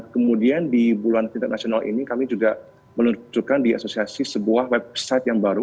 kemudian di bulan internasional ini kami juga menunjukkan di asosiasi sebuah website yang baru